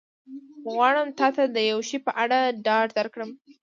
خو غواړم تا ته د یو شي په اړه ډاډ درکړم.